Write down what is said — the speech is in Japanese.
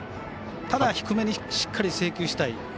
ただ、低めにしっかり制球したい。